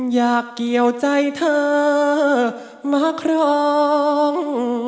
อยากเกี่ยวใจเธอมาครอง